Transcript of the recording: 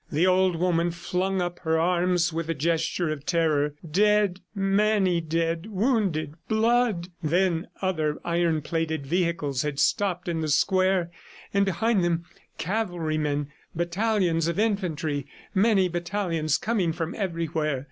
The old woman flung up her arms with a gesture of terror. ... Dead ... many dead ... wounded ... blood! Then other iron plated vehicles had stopped in the square, and behind them cavalrymen, battalions of infantry, many battalions coming from everywhere.